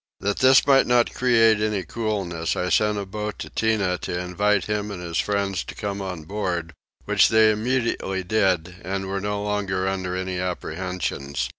That this might not create any coolness I sent a boat to Tinah to invite him and his friends to come on board; which they immediately did and were no longer under any apprehensions.